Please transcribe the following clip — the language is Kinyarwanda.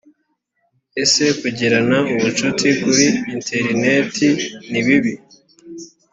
ese kugirana ubucuti kuri interineti ni bibi